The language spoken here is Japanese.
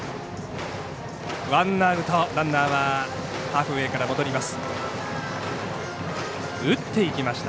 ワンアウト、ランナーはハーフウエーから戻ります。